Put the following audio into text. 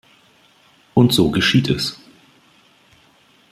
Und so geschieht es.